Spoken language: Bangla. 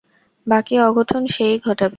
বাকি অঘটন সে ই ঘটাবে।